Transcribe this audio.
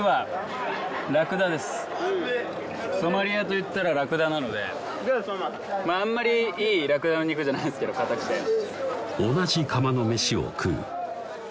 ソマリアといったらラクダなのであんまりいいラクダの肉じゃないんすけどかたくて「同じ釜の飯を食う」